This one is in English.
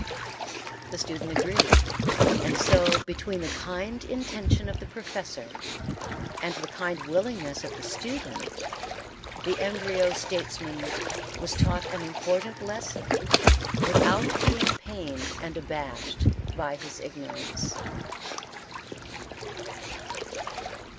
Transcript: The student agreed, and so between the kind intention of the professor and the kind willingness of the student the embryo statesman was taught an important lesson without being pained and abashed by his ignorance.